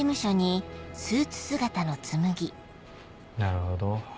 なるほど。